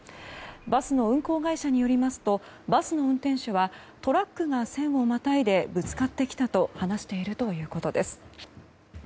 バスの運行会社によりますとバスの運転手はトラックが線をまたいでぶつかってきたと話しているということです。